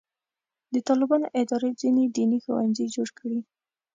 د طالبانو ادارې ځینې دیني ښوونځي جوړ کړي.